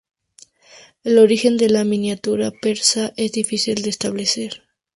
El origen de la miniatura persa es difícil de establecer.